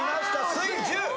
水１０。